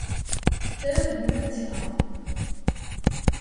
Тэ унэ тиӏагъ.